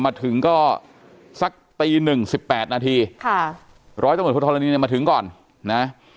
มาถึงก็สักตีหนึ่งสิบแปดนาทีค่ะร้อยตำรวจโทษธรณีเนี่ยมาถึงก่อนนะ